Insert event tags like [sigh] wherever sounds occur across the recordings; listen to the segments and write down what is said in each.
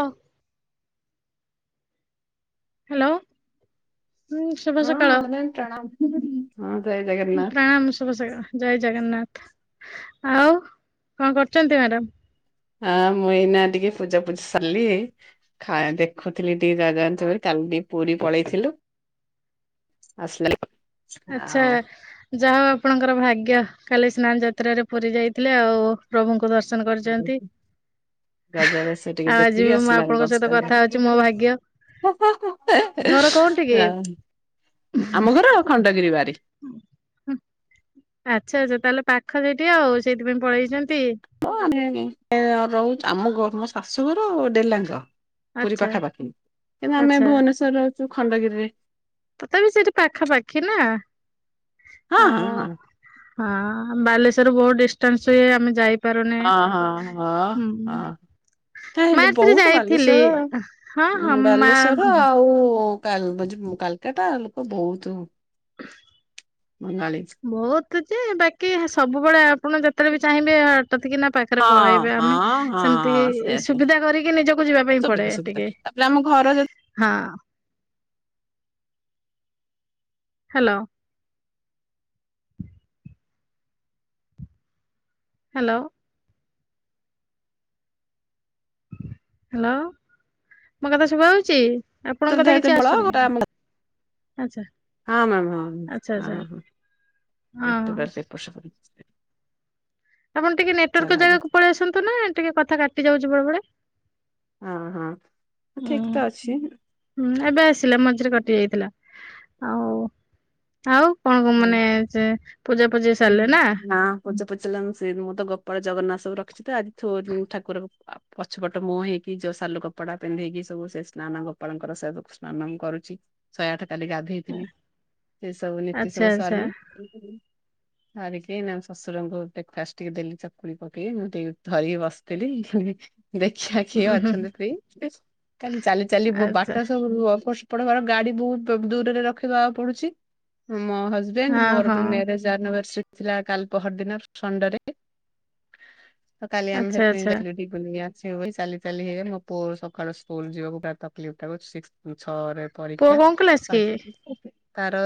ଅଁ [unintelligible] ହ୍ୟାଲୋ! ହୁଁ ଶୁଭ ହ ସକାଳ ହଁ ନାନୀ ପ୍ରଣା। ହଁ ଜୟ ଜଗନ୍ନାଥ। ପ୍ରଣାମ ଶୁଭ ସକାଳ ଜୟ ଜଗନ୍ନାଥ। ଆଉ କଣ କରୁଛନ୍ତି ମ୍ୟାଡ଼ାମ? ଆ ମୁଁ ଏଇନା ଟିକେ ପୂଜା ପୂଜି ସାରିଲି। ଖା ଦେଖୁଥିଲି ଟିକେ [unintelligible] କାଲି ପୁରୀ ପଳେଇଥିଲୁ। ଆସଲ [unintelligible] ଆଚ୍ଛା ଯାହଉ ଆପଣଙ୍କର ଭାଗ୍ୟ କାଲି ସ୍ନାନ ଯାତ୍ରାରେ ପୁରୀ ଯାଇଥିଲେ ଆଉ। ପ୍ରଭୁଙ୍କୁ ଦର୍ଶନ କରିଚନ୍ତି। ଗଜା ବେଶ ଟିକେ ଦେଖିକି ବି ମୁଁ ଆସିଲାଣି ଆପଣଙ୍କ ସହିତ କଥା ହଉଛି ମୋ ଭାଗ୍ୟ ଘର କୋଉଠି କି? ଦଶଟା [unintelligible] ଆମ ଘର ଖଣ୍ଡଗିରି ବାରି। [unintelligible] ଆଚ୍ଛା ଆଚ୍ଛା ତାହେଲେ ପାଖ ସେଇଠି ଆଉ ସେଇଥିପାଇଁ ପଳେଇଚନ୍ତି? ହଁ ଆମେ ରହୁଛୁ ଆମ ମୋ ଶାଶୁଘର ଡେଲାଙ୍ଗ। ପୁରୀ ଆଚ୍ଛା ପାଖାପାଖି କିନ୍ତୁ ଆମେ ଆଚ୍ଛା ଭୁବନେଶ୍ୱର ଅଛୁ ଖଣ୍ଡଗିରିରେ। ତଥାପି ସେଇଠି ପାଖାପାଖି ନା ହଁ ହଁ ଆଉ ହଁ ହଁ ବାଲେଶ୍ଵରରୁ ବହୁତ ଡିଷ୍ଟାନ୍ସ ହୁଏ ଆମେ ଯାଇ ହଁ ହଁ ହଁ ହ। ହ ହେଲେ ମାର୍ଚ୍ଚରେ ବହୁତ ଯାଇଥିଲି ବାଲେଶ୍ଵର ହଁ ହଁ ମା ବାଲେଶ୍ଵର ଆଉ କାଲ ବଜେ କାଲକାଟା ଲୋକ ବହୁତ ବଙ୍ଗାଳୀ। ବହୁତ ଯେ ବାକି ସବୁବେଳେ ଆପଣ ଯେ କେତେବେ ବି ଚାହିଁବେ ଚଟକିନା ପାଖରେ ହଁ ପଳେଇବେ। ହଁ ଆମେ ସେମିତି ହଁ ସେୟା ସେ ସୁବିଧା କରିକି ନିଜକୁ ଯିବା ପାଇଁ ପଡେ। ଟିକେ [unintelligible] ଆମ ଘର ଯେ ହଁ। ହେଲୋ। ହେଲୋ। ହେଲୋ ମୋ କଥା ଶୁଭା ହଉଛି? ଆପଣଙ୍କ କଥା ଯେତେ କିଛି ବଳ ଆସୁନି। ଆଜା। ହଁଁ ମ୍ୟାମ ହଁ ହଁ ହଁ [unintelligible] ଆପଣ ଟିକେ ସା ନେଟୱାର୍କ ଲାଗେ। ଜାଗାକୁ ପଳେଇ ଆସନ୍ତୁ ନା ଟିକେ କଥା କାଟି ଯାଉଚି ବେଳେ ବେଳେ। ହଁ ହଁ ଠିକ ତ ଅଛି। ହୁଁ ଏବେ ଆସିଲା ମଝି ରେ କଟି ଯାଇଥିଲା। ଆଉ ଆଉ କଣ ହୁଁ। ମାନେ ଯେ ପୂଜା ପୂଜି ସାରିଲେ ନା? [unintelligible] ମୁଁ ତ ଗୋପଳ ଜଗନ୍ନାଥ ସବୁ ରଖିଛି ତ ଆଜିଠୁ ଠାକୁର ଉ ପଛପଟ ମୁହଁ ହେଇକି ଯୋଉ ସାଲୁ କପଡା ପିନ୍ଧେଇକି ସବୁ ସେ ସ୍ନାନ ଗୋପାଳଙ୍କର ସେ ସ୍ନାନ ମୁ କରୁଛି। ଶହେ ଆଠ କାଲି ଗାଧେଇଥିଲି ସେ ସବୁ ନୀତି ଆଚ୍ଛା ସବୁ ଆଚ୍ଛା ସାରଲି। ଧରିକି ଏଇନା ଶ୍ୱଶୁରଙ୍କୁ ବ୍ରେକଫାଷ୍ଟ ଟିକେ ଦେଲି ଚକୁଳି ପକେଇ ମୁଁ ଧରିକି ବସି। [unintelligible] ଦେଖିବା କିଏ ଉଁ ହୁଁ ଅଛନ୍ତି ଫ୍ରୀ। କାଲି ଚାଲି ଚାଲି ଆଚ୍ଛା ବାଟ ସବୁ। ଆପଣଙ୍କର ଗାଡି ବହୁତ ଦୂରରେ ରଖିବାକୁ ପଡୁଛି। ମୋ ହଜବେଣ୍ଡ ହଁ ମୋର ବି ହଁ ମ୍ୟାରେଜ। ଆନିଭରସରି ଥିଲା କାଲି ପହର ଦିନ ସନଡେରେ। ତ କାଲି ଆମେ ଆଚ୍ଛା ସେଥିପାଇଁ ଆଚ୍ଛା ଯାଇଥିଲୁ ସେଠିକି। ନେଇ ଆସିବୁ ଭାଇ ଚାଲି ଚାଲି ହେଇଗଲେ। ମୋ ପୁଅ ସକାଳୁ ସ୍କୁଲ ଯିବାକୁ ପୁରା ତକଲିଫ ତାକୁ ସିକ୍ସ। ଛଅରେ ପୁଅ ପରୀକ୍ଷା କୋଉ କ୍ଲାସ କି? ତାର।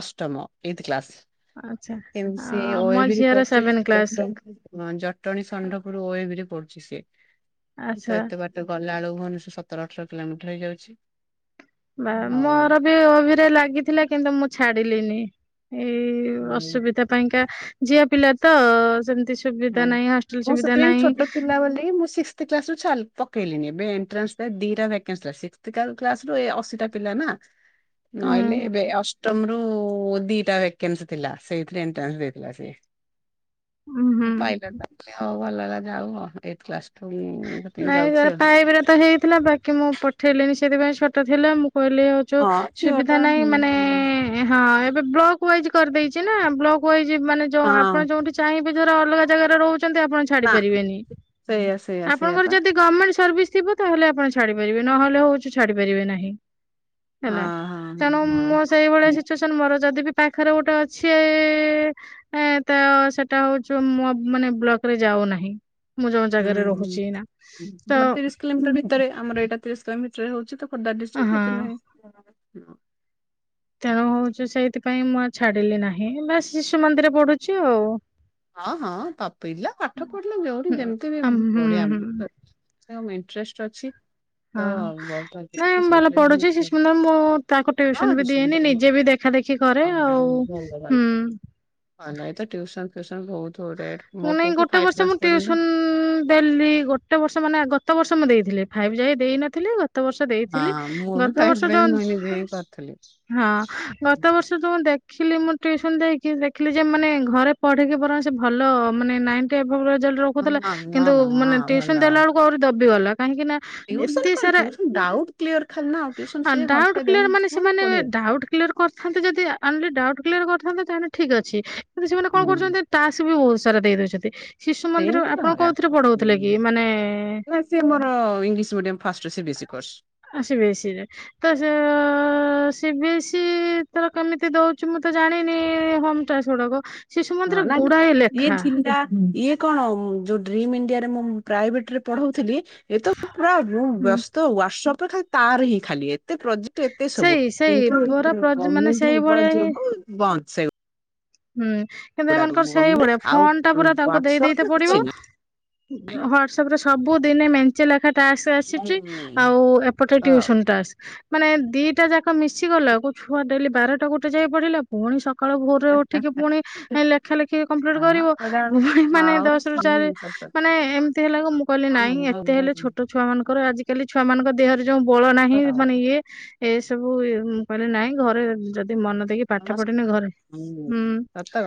ଅଷ୍ଟମ ଏଇଟି କ୍ଲାସ। ଆଚ୍ଛା ଅ ଏମସିଆଇ ମୋ ଓଏଵିରେ ଝିଅର ପଢୁଛି। Seven class. Jatani Shandapur O A V ରେ ପଡୁଛି ସିଏ। ତ ଆଚ୍ଛା ଏତେ ବାଟ। ସେ ଗଲା ଆଳୁକୁ ମାନେ ସେ ସତର ଅଠର କିଲୋମିଟର ହେଇଯାଉଛି। ବା ଆଉ ମୋର ବି ଓଭିରେ ଲାଗିଥିଲା କିନ୍ତୁ ମୁଁ ଛାଡିଲିନି। ଏଇ ଉଁ, ଅସୁବିଧା ପାଇଁକା ଝିଅ ପିଲା ତ ସେମିତି। ହଁ ସୁବିଧା ନାହିଁ ହଷ୍ଟେଲ ମୁଁ ସୁବିଧା ସେଥିପାଇଁ ନାହିଁ। ଛୋଟ ଥିଲା ବୋଲି କି ମୁଁ ସିକ୍ସ। ପକେଇଲିଣି ଏବେ ଏଣ୍ଟ୍ରାସ ଦିଇଟା ଭାକାନସ ଥିଲା ସିକ୍ସଟା କ୍ଲାସରୁ ଅଶୀଟା ପିଲା ନା?। [unintelligible] ହୁଁ ନହେଲେ ଏବେ ଅଷ୍ଟମ ରୁ ଦିଟା ଭେକନ୍ସି ଥିଲା ସେଇଥିରେ ଏନଟ୍ରାନ୍ସ ଦେଇଥିଲା ସେ। ହୁଁ। ପାଇବା ଭଲ ହେଲାନି ଆଉ ଏଇଟି କ୍ଲାସ। ଠୁ ମୁଁ ସେଥିପାଇଁ ନାଇଁ ଯାଉଛି ତାର ଆଉ। ପାଇବାର ତ ହେଇଥିଲା। ବାକି ମୁଁ ପଠେଇଲିନି ସେଥିପାଇଁ ଛୋଟ ଥିଲା ମୁଁ କହିଲି ଆଉ। ଯୋଉ ହଁ ଝିଅ ସୁବିଧା ଟା ନାହିଁ ମାନେ। ହଁ ଏବେ ବ୍ଲକ ୱାଇଜ୍ କରିଦେଇଛି ନା ବ୍ଲକ୍ ୱାଇଜ୍ ମାନେ ଯଉ ଆପଣ ହଁ ଯୋଉଠି ଚାହିଁବେ। ଧର ଅଲଗା ଜାଗାରେ ରହୁଛନ୍ତି ଆପଣ ନା ଛାଡି ପାରିବେନି। ସେଇଆ। ସେଇଆ ସେଇଆ ଆପଣଙ୍କର ପା ଯଦି ଗର୍ଣ୍ଣମେଣ୍ଟ ସର୍ଭିସ ଥିବ ତାହେଲେ ଆପଣ ଛାଡ଼ି ପାରିବେ ନହେଲେ ହଉଛି ଛାଡି ପାରିବେ ନାହିଁ। ହଁ ହେଲା ହଁ ତେଣୁ ହଁ। ମୋ ସେଇଭଳିଆ ହୁଁ ସିଚୁଏସନ ମୋର ଯଦି ବି ପାଖରେ ଗୋଟେ ଅଛି। ଏ ତ ସେଟା ହଉଚି ମୋରମାନେ ବ୍ଲକ ରେ ଯାଉନାହିଁ। ମୁଁ ଯୋଉ ଜାଗାରେ ରହୁଛି। ହୁଁ ଏଇନା ତ ତିରିଶ କିଲୋମିଟର ଭିତରେ। ଆମର ଏଇଟା ତିରିଶ କିଲୋମିଟରରେ ହଉଛି ତ। ଖୋର୍ଦ୍ଧା ଡିଷ୍ଟିକ ହଁ ସେଥିପାଇଁ। ତେଣୁ ହଉଛି ସେଇଥିପାଇଁ ମୁଁ ଆ ଛାଡିଲି ନାହିଁ। ବାସ ଶିଶୁ ମନ୍ଦିରେ ପଢୁଛି ଆଉ। ହଁ ହଁ ପିଲା ପାଠ ପଢିଲା ଯୋଉଠି ହୁଁ ଯେମିତି ବି ଆମ୍ ହୁଁ ବଢିଆ। ହୁଁ। ତାଙ୍କ ଇଣ୍ଟରେଷ୍ଟ ଅଛି। ତ ହଁ ବହୁତ କିଛି ନାଇଁ ମୁଁ ଭଲ ସେଇଥିରେ ବି ପଢୁଛି। ହଁ ଶିଶୁ ମନ୍ଦିର ମୁଁ ତାକୁ ଟିଉସନ ବି ଦିଏନି ନିଜେ ବି ଦେଖେ। ଦେଖା ଦେେଖି କରେ ଆଉ ହୁଁ। ହଁ ନାଇଁ ତ ଟୁସନ ଫିୟୁସନ ବହୁତବଢିଆ ଏଠି ହୁଁ ମୋ ନାଇଁ ପୁଅ ଗୋଟେ ଫାଇଭି ବର୍ଷ ମୁଁ କ୍ଲାସ ପଯ୍ୟନ୍ତ। ଟିଉସନ ଦେଲି ଗୋଟେ ବର୍ଷ ମାନେଗତ ବର୍ଷ ମୁଁ ଦେଇଥିଲି। ଫାଇଭ୍ ଯାକେ ଦେଇନଥିଲି। ଗତବର୍ଷ ଦେଇଥିଲି ହଁ ମୁଁ ବି ଗତ ଫାଇଭ ବର୍ଷ ଯୋଉ ପର୍ଯ୍ୟନ୍ତ ମୁଁ ନିଜେ ହିଁ କରିଥିଲି। ହଁ ଗତ ବର୍ଷ। ତ ମୁଁ ଦେଖିଲି ମୁଁ ଟ୍ୟୁସନ ଦେଇକି ଦେଖିଲି ଯେ ମାନେ ଘରେ ପଢିକି ବରଂ ସେ ଭଲ। ମାନେ ନାଇଁଟି ଏଭବ ରଖୁଥିଲା ହଁ କିନ୍ତୁ ହଁ ମାନେ ହଁ ଟ୍ୟୁସନ ଦେଲା ବେଳକୁ ଆହୁରି ସେ ଦବି ଗଲା କାହିଁକି ନା। ଟ୍ୟୁସନ ଏତେ କଣ ସାରା ଟ୍ୟୁସନ ଡାଉଟ୍ କ୍ଲିୟର ଖାଲି ନା ଟିଉସନ ସେ ଡାଉଟ୍ ଘଣ୍ଟେ କ୍ଲିୟର ମାନେ ଦେଢ଼ଘଣ୍ଟା କଣ ସେ ସେମାନେ ପଢେଇବ। ଡାଉଟ୍ କ୍ଲିୟର କରିଥାନ୍ତେ ଯଦି ଆମେ ଡାଉଟ୍ କ୍ଲିୟର କରିଥାନ୍ତେ ତାହେଲେ ଠିକ୍ ଅଛି। କିନ୍ତ ସେମାନେ କଣ ହୁଁ। କରୁଛନ୍ତି। ଟାସ୍କ ବି ବହୁତ ସାରା ଦେଇ ଦଉଛନ୍ତି। ଶିଶୁ ମନ୍ଦିର ସେମିତି ଆପଣ ଅଲଗା କୋଉଥିରେ ପଢଉଥିଲେ କି ମାନେ। ନା ସେ ମୋର ଇଂଲିଶ ମିଡିୟମ ଫାଷ୍ଟରେ ବେଶୀ କୋର୍ସ। ଆସିବେ ଏସି ରେ। ତ ସେ ସି ବିି ଏସ୍ ଇ ଏଥର କେମିତି ଦଉଛି ମୁଁ ତ ଜାଣିନି ହ ମ୍ ଟାକ୍ସ ଗୁଡାକ। ଶିଶୁ ହଁ ମନ୍ଦିର ନାଇଁ ଗୁଡାଏ ଇଏ ଲେଖା [unintelligible] ଇଏ। କଣ ଯୋଉ ଡ୍ରିମ ଇଣ୍ଡିଆରେ ମୁଁ ପ୍ରାଇଭେଟ ରେ ପଢଉଥିଲି ଏତ ପୁରା ହୁଁ ବ୍ୟସ୍ ୱାଟଶପ୍ ରେ ଖାଲି ତାର ହିଁ ଖାଲି ଏତ ପ୍ରୋ ଏତେ ସବୁ ସେଇ ସେଇ କିନ୍ତୁ ପୁରା ପ୍ରଜ- ମାନେ ଗମେଣ୍ଟ ର ସେଇ ଉପ ଭଳିଆ ହିଁ ଯୋଗ ବନ୍ଦ ସେ ହୁଁ କିନ୍ତୁ ଏମାନଙ୍କର ସେଇ ଗଭର୍ଣ୍ଣମେଣ୍ଟ ଭଳିଆ ଆଉ ଫୋନ ଟା ପୁରା ତାକୁ ଦେଇ ହ୍ୱାଟସପ ଦେଇତ ରେ କିଛି ପଡିବ। ନାହିଁ। ହ୍ବାଟସ୍ଆପ ରେ ସବୁ ଦିନେ ମେ ଚଟି ଲେଖା ଟାସ୍କ୍ ଆସିଛି, ହୁଁ, ଆଉ ଏପଟେ ତ ଟିୟୁସନ୍ ଟାସ୍କ। ମାନେ ଦିଟା ଯାକ ମିଶି ଗଲାକୁ ଛୁଆ ଡେଲି ବାରଟା ଗୋଟେ ଯାକେ ପଢିଲା ପୁଣି ସକାଳୁ ଭୋରରେ ଉ ସତ ଟିକେ ପୁଣି ଲେଖା ଲେଖି କମ୍ପ୍ଲିଟ କରିବ, ପୁଣୀ ମାନେ ଦଶ ରୁ ଚାରି ମାନେ ଏମିତି ହେଲା ମୁଁ କହିଲି ନାଇଁ ଏତେ ହେଲେ ଛୋଟ ଛୁଆ ମାନଙ୍କର ଆଜିକାଲି ଛୁଆମାନଙ୍କ ଦେହରେ ଯଉ ବଳ ନାହିଁ ମାନେ ଇ ଏସବୁ କହିଲେ ନାଇଁ ଘରେ ଯଦି ମନ ଦେଇକି ପାଠ ପଢିନି ଘରେ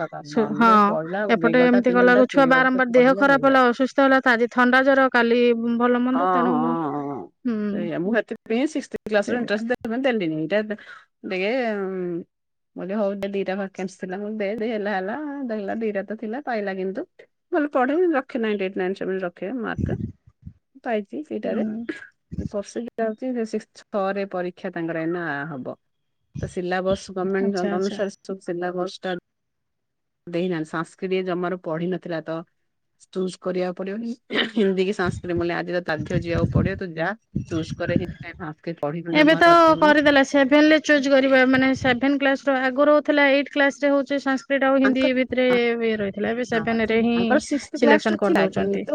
କଥା ମନରେ ହଁ ପଡିଲା ଦି ଏପଟେ ଘଣ୍ଟା ଏମିତି ତିନି କଲା ଘଣ୍ଟା ଛୁଆ କ୍ଲିୟର ସେ ବାରମ୍ବାର ଦେହ ପଢିଲେ ଖରାପ ମଜା। ହେଲା ଅସୁସ୍ଥ ହେଲା, ତା ଆଜି ଥଣ୍ଡା ଜର କାଲି ଭଲ ମନ୍ଦ ହଁ ତେଣୁ ମୁଁ ହଁଁ ହଁ ହୁଁ ସେଇଆ ମୁଁ ହେଥିପାଇଁ ସିକ୍ସଥ କ୍ଲାସ୍ ରେ ଇଣ୍ରେଷ୍ଟ ଦେଲି ଦେଲିନି ଏଇ ଇଏ ମୁଁ କହିଲି ହଉ ଦିଟା ଭାକାନ୍ସି ଥିଲା। ଦେ ହେଲେ ହେଲା ଦେଖିଲା ଦିଟା ତ ଥିଲା ପାଇଲା କିନ୍ତୁ। ଭଲ ପଢେ ରଖେ ନାଇଣ୍ଟି ଏଇଟି, ନାଇନ୍, ସେଭେନ ରଖେ ମାର୍କ। ପାଇଛି ସେଇଟାରେ ହୁଁ ପର୍ଷେଣ୍ଟ ଗଟା ପରେ ରେ ପରୀକ୍ଷା ତାଙ୍କର ଏଇନା ହବ ତ ସିଲାବସ୍ ଆଚ୍ଛା ଗମେଣ୍ଟ ଆଚ୍ଛା ଅନୁସାରେ ସବୁ ସିଲାବସ୍ ଟା ଦେଇନାହାନ୍ତି, ସାଂସ୍କତି ଜମାରୁ ପଢିିନଥିଲା ତ। ଚୁଜ୍ କରିବାକୁ ପଡିବନି ହିନ୍ଦୀ କି ସାନ୍ ମାନେ ଆଜି ତାର୍ଯ୍ୟ ଯିବାକୁ ପଡିବ ତୁ ଯା [unintelligible] ପଢିବୁ। ଏବେ ତ କରିଦେଲା ସେଭେନରେ ଚୁଜ କରିବ ମାନେ ସେଭେନ୍ କ୍ଲାସର ଆଗରୁଥିଲା ଏଇଟ୍ କ୍ଲାସ ହେଉଚି ସାଂସ୍କୃତି ସେଟା ହିନ୍ଦୀ ତାଙ୍କ ଭିତରେ ଏ ରହିଥିଲା ଏବେ ହଁ ସେଭେନ ରେ ଥିଲା ହିଁ ତାଙ୍କର ସିଲେକ୍ସନ କରିଦଉଛନ୍ତି।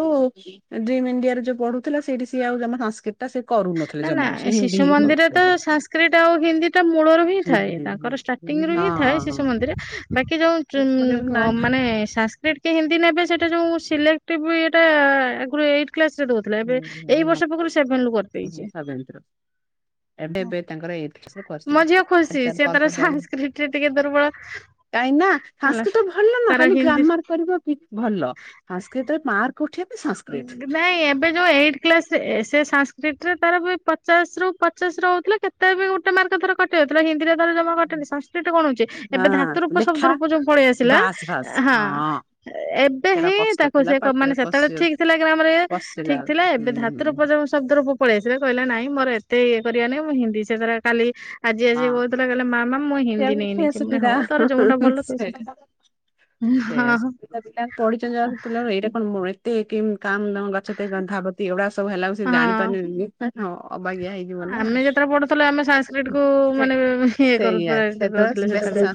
ଡ୍ରିମଇଣ୍ଡିଆରେ ଯୋଉ ପଢୁଥିଲା ସେଇଠି ସିଏ ଆଉ ଜମା ସଂସ୍କୃତି ସେ କରୁନ ନା ନା ଏ ଶିଶୁ ମନ୍ଦିରରେ ତ ସାଂସ୍କ୍ରିଟ ଆଉ ହିନ୍ଦୀ ଟା ମୂଳରୁ ହୁଁ ଥାଏ ହୁଁ ହୁଁ। ତାଙ୍କର ହଁ ଷ୍ଟାଟିଙ୍ଗ ରୁ ହି ଥାଏ ହଁ ହଁ ଶିୁଶୁ ମନ୍ଦିର ବାକି ଇଂଲିଶ ମିଡିୟମ ରେ ଯୋଉ ନାହିଁ ମାନେ ସା ଟିକେ ହିନ୍ଦୀ ନେବେ ସେଇଟା ଯୋଉ ସିଲେକ୍ଟିଭ ଇଏଟା ଆଗରୁ ଏଇଟା କ୍ଲାସ୍ ରେ ଦେଉଥିଲେ ଏବେ ଏଇ ନା। ବର୍ଷ ପାଖରୁ ସେଭେନ ରୁ କରି [unintelligible] ଏବେ ଏବେ ତାଙ୍କର ଏଥିରେ କରିଚନ୍ତି। ମୋ ଝିଅ ଖୁସି ସେ ତାର [inaudible] ସାଂସ୍କ୍ରିଟ ରେ ଟିକେ ଦୁର୍ବଳ କାହିଁକି ନା ହେଲା ସାଂସ୍କୃତ ଭଲ ନା ତାର ଖାଲି ହିନ୍ଦୀ ଗ୍ରାମାର କରିବ। ଭଲ ସାଂସ୍କୃଟରେ ମାର୍କ ଉଠିବା ପାଇଁ ସାଂସ୍କୃଟ। ନାଇଁ ଏବେ ଯୋଉ ଏଇଟ କ୍ଲାସରେ ଏ ସାଂସ୍କଟରେ ତାର ବି ପଚାଶ ରୁ ପଚାଶ ରହୁଥିଲା କେତେ ତ ବି ଗୋଟେ ମାର୍କ ଧର କଟିଯାଉଥିଲା ହିନ୍ଦୀରେ ତାର ଜମା କଟେନି ସଂସ୍କୃଟ କଣ ହଉଛି ଏ ଧାତୁ ରୂପ ହଁ ଲେଖା ଶବ୍ଦରୂପ ଯଉ ପଳେଇଆସି ଥିଲା ବାସ୍ ବାସ୍ ହଁ ଏବେ ସେଟା ହିଁ କଷ୍ଟ ତାକୁ ପିଲା ସେ ମାନେ ପାଟିରେ ସେତେବେଳେ ପଶି ଠିକ ଥିଲା ଗ୍ରାମରେ ପଶିଲା ଠିକ ଥିଲା ଏବେ ହୁଁ। ହୁଁ, ଧାତୁର ହୁଁ। ଉପଯୋଗ ବି ଶବଦ ରୂପ ପଳେଇଆସିଲା କହିଲା ନାଇଁ ମୋର ଏତେ ଇଏ କରିବାର ନାହିଁ ମୁଁ ହିନ୍ଦୀ ସେ ତାର କାଲି ଆଜି ଆଜି ହଁ। କହୁଥିଲା କହିଲା ମାମା ମୁଁ ହିନ୍ଦୀ ନେଇ ସେମିତି ନେଇଛି ଅସୁବିଧା ହଉ ତୋର ଯୋଉଟା ଭଲ ତୁ ସେ ସେଇଟା ସେଇଆ ହଁ ସୁବିଧା ପିଲା ପଢିଛନ୍ତି ପିଲା ଏଇଟା [unintelligible] ହେ, କିମ, କାମ, ଦଗଛତେ, ଧାବତି ଏଗୁଡା ସବୁ ହେଲା ବେଳକୁ ସେ ହଁ। ଜାଣିପାରୁନି ହଁ ଅବାଗିଆ ହେଇଯାଉଛି। ଆମେ ଯେତବେଳେ ପଢୁଥିଲୁ ଆମେ ସାସ ଶାସକ୍ରିଟକୁ ସେ ମାନେ ଇଏ ସେଇଆ କରୁଥିଲେ ଦଉଥିଲେ ବେଶୀ ସେତେବେଳେ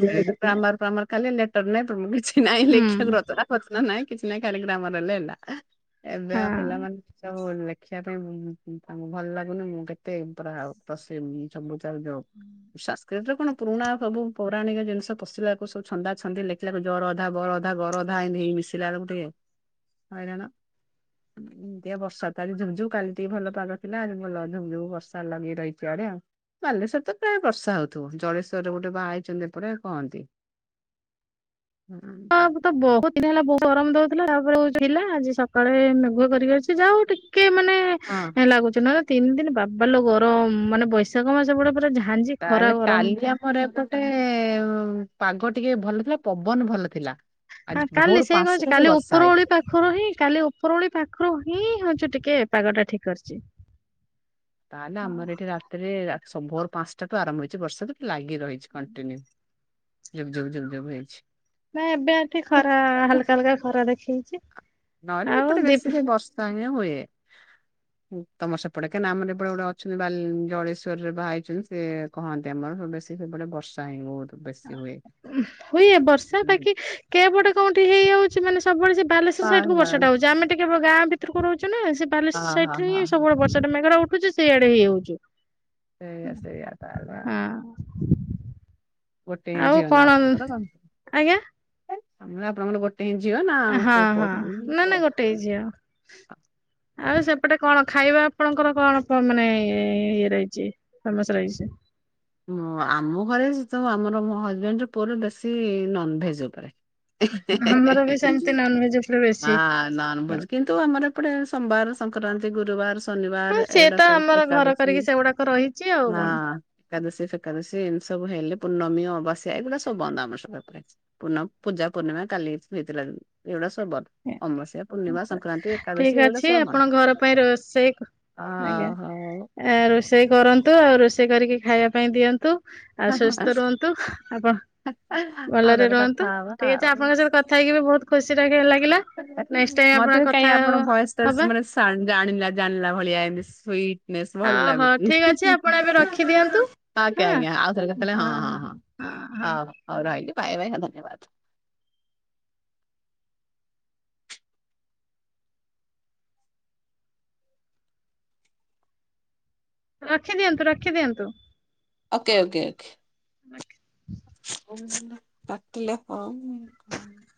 ଗ୍ରାମର ଫ୍ରାମର ଖାଲି ଲେଟର କିଛି ନାଇଁ ଲେଖିବାକୁ ହୁଁ ରଚନା ରଚନା ନାଇଁ କିଛି ନାଇଁ ଖାଲି ଗ୍ରାମାର ହେଲେ ହେଲା ଏବେ ଆଉ ପିଲାମାନେ ସବୁ ଲେଖିବା ପାଇଁ ତାଙ୍କୁ ଭଲ ଲାଗୁନି ମୁଁ କେତେ ପୁରା ପସେଇବି ଜବରଦସ୍ତି [inaudible] ସେଥିରେ କଣ ପୁରୁଣା ସବୁ ପୌରାଣିକ ଜିନିଷ ପଶିଲା ବେଳକୁ ସବୁ ଛନ୍ଦାଛନ୍ଦି ଲେଖିଲାକୁ ଜର ଅଧା ବର ଜର ଅଧା ଗରଧା ଏମିତି ହେଇ ମିଶିଲା ବେଳକୁ ଟିକେ ହଇରାଣ। ଏମିତିଆ ବର୍ଷା ଖାଲି ଝୁମଝୁମ କାଲି ଟିକେ ଭଲ ପାାଗ ଥିଲା ଆଜି ଭଲ ଝୁମଝୁମ ବର୍ଷା ଲଗେଇ ରହିଛିି ଆଡେ ଆଉ। ବାଲେଶ୍ଵର ତ ପ୍ରାୟ ବର୍ଷା ହଉଥିବ ଜଳେଶ୍ଵରରେ ଗୋଟେ ବାହା ହେଇଛନ୍ତି ଏ ପଟେ କହନ୍ତି। ହୁଁ। ହଁ ତ ବହୁତ ଦିନ ହେଲା ବହୁତ ଗରମ ଦଉଥିଲା ତାପରେ ହଉ ଥିଲା ଆଜି ସକାଳେ ମେଘୁଆ କରିକି ଅଛି ଯା ହଉ ଟିକେ ମାନେ [inaudible] ଲାଗୁଛି ନହେଲେ ତିନି ଦିନ ବାପାଲୋ ଗରମ ମାନେ ବୈଶାଖ ମାସ ପୁରା ଝା ଝାଞି ଖରା ତାହେଲେ କାଲି ଗରମ ଆମର ଏପଟେ ପାଗ ଟିକେ ଭଲ ଥିଲା ପବନ ଭଲ ଥିଲା। ହଁ ଆଜି ଭୋର କାଲି ସେଇ କହୁଛି ପାଞ୍ଚଟାରେ କାଲି ବର୍ଷା ଉପର ହେଇଛି। ଓଳି ପା ପାଖରୁ ହିଁ କାଲି ଉପରଓଳି ପାଖରୁ ହିଁ ହଉଛୁ ଟିକେ ପାଗଟା ଠିକ୍ କରିଛି। ତାହେଲେ ଆମର ଏଇଠି ରାତିରେ ସ ଭୋର ପାଞ୍ଚଟାଠୁ ଆରମ୍ଭ ହେଇଛି ବର୍ଷା ଲାଗି ରହିଛି କଣ୍ଟିନ୍ୟୁ ଝୁଗ ଝୁଗ ଝୁଗ ଝୁଗ ହେଇଛି। ନା ଏବେ ଏଠି ଖରା ହାଲକା ହାଲକା ଖରା ଦେଖେଇଛି। ନହେଲେ ଆଉ ଏପଟେ ଦୀପ ବେସିରେ ବର୍ଷା ଇଏ ହୁଏ। ତମ ସେପଟେ କାନେ ଆମର ଏପଟେ ଗୋଟେ ଅଛନ୍ତି ବା ଜଳେଶ୍ଵରରେ ବାହା ହେଇଛନ୍ତି ସେ କହନ୍ତି ଆମର ବେଶୀ ସେପଟେ ବର୍ଷା ହେଇନି ବୋଧେ। ହୁଏ ବର୍ଷା ବାକି କେପଟେ କୋଉଠି ହେଇଯାଉଛି। ସେମାନେ ସବୁବେଳେ ସେ ବାଲେଶ୍ୱର ବାସ୍ ସାଇଟକୁ ବାସ୍ ବର୍ଷାଟା ହଉଚି। ଆମେ ଟିକେ ଗାଁ ଭିତରକୁ ରହୁଛୁ ନା ସେ ହଁ ବାଲେଶ୍ୱର ହଁ ସାଇଟରେ ହି ହଁ ସବୁବେଳେ ବର୍ଷା ସେଠି ମେଘଟା ଉଠୁଛି। ସେଇଆଡେ ହେଇଯାଉଛି। ସେଇଆ ସେଇଆ ତା ଭା ହଁ ଗୋଟେ ଆଉ ଝିଅ ନା କଣ ଆପଣଙ୍କର ଆଜ୍ଞା ଆପଣଙ୍କର ଗୋଟେ ଗୋଟିଏ ଝିଅ ନା ପୁ -ପୁ- [unintelligible] ଟିଏ ଝିଅ ଆଉ ସେପଟେ କଣ ଖାଇବା ଆପଣଙ୍କର କଣ କଣ ମାନେ ଇଏ ଇଏ ରହିଛି। ଫେମସ ରହିଚି। ଆମ ଘରେ ତ ଆମର ମୋ ହଜବେଣ୍ଡ ପୁଅର ବେଶୀ ନନଭେଜ ଉପରେ। ଆମର ବି [inaudible] ସେମିତି ହଁ। ନନଭେଜ ଉପରେ ବେଶୀ। ନନଭେଜ କିନ୍ତୁ ଆମର ଏପଟେ ସୋମବାର ସଂକ୍ରାନ୍ତି ଗୁରୁବାର ହଁ ଶନିବାର ସିଏ ଏଇଟା ତ ସବୁ ଆମର ଘର ଏକାଦଶୀ କରିକି ସେଗୁଡାକ ରହିଛି ଆଉ ହଁ। କଣ। ଏକାଦଶୀ ଫେକାଦଶୀ ଏମିତି ସବୁ ହେଲେ ପୂର୍ଣ୍ଣମୀ ଅମାବାସ୍ୟା ଏଗୁଡା ସବୁ ବନ୍ଧ ଆମର ସବୁ ଏପଟେ। ପୂର୍ଣ୍ଣମ ପୂଜା ପୂର୍ଣ୍ଣିମା କାଲି ହେଇ ହେଇଥିଲା ଏଗୁଡା ସବୁ ବନ୍ଦ ଅମାବାସ୍ୟା। ପୂର୍ଣ୍ଣିମା ସଂକ୍ରାନ୍ତି ଏକାଦଶୀ ଠିକ ଏଗୁଡା ଅଛି ସବୁ ବନ୍ଦ ଆପଣ ଘର ପାଇଁ ରୋଷେଇ ଅ ଆଜ୍ଞା ହଉ। ଏ ରୋଷେଇ କରନ୍ତୁ, ଆଉ ରୋଷେଇ କରିକି ଖାଇବା ପାଇଁ ଦିଅନ୍ତୁ, ଆଉ ସୁସ୍ଥ ରୁହ ନ୍ତୁ ଆଉ କଣ। ଆଉ ଭଲରେ ଥରେ କଥା ରୁହନ୍ତୁ ହବା ଠିକ୍ ଅଛି ଆଉ। ଆପଣଙ୍କ ସହିତ କଥା ହେଇକି ବି ବହୁତ୍ ଖୁସିଟା ଟିକେ ଲାଗିଲା। ନେକ୍ସଟ୍ ଟାଇମ୍ ଆପଣ କଥା ହ ହବା। ହଁ ଜାଣିଲା ଜାଣିଲା ଭଳିଆ ଏମିତି ସୁଇ ବେଶ୍ ଭଲ ଆଉ ହଁ ଠିକ ଲାଗୁଚି ଅଛି ଆପଣ ଏବେ ରଖିଦିଅନ୍ତୁ। [unintelligible] ଆଞା ହଁ ଆଜ୍ଞା ଆଉଥରେ କେତେବେଳେ ହଁ ହଁ ହଁ। ହଁ ହୋଉ ଆଉ ରହିଲି ବାଏ ବାଏ ହଁ ଧନ୍ୟବାଦ। ରଖିଦିଅନ୍ତୁ ରଖିଦିଅନ୍ତୁ। Okay okay okay. ଆଜ୍ଞା। ବହୁତ୍ ସୁନ୍ଦର କଟିଲା [unintelligible]